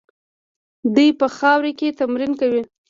دوی په خاورو کې تمرین کوي.